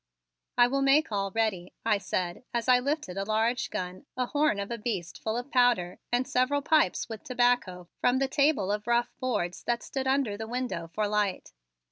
"I will make all ready," I said as I lifted a large gun, a horn of a beast full of powder and several pipes with tobacco, from the table of rough boards that stood under the window for light.